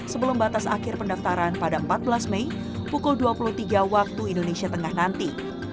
sebelum batas akhir pendaftaran pada empat belas mei pukul dua puluh tiga waktu indonesia tengah nanti